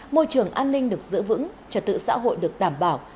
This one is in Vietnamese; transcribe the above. môi trường an ninh được giữ vững trật tự xã hội được đảm bảo